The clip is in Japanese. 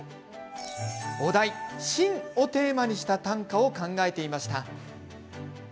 お題「新」をテーマにした短歌を考えていました。